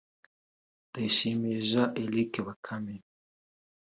Ndayishimiye Jean Eric Bakame